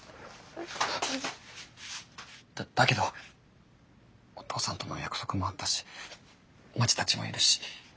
だだけどお父さんとの約束もあったしまちたちもいるし。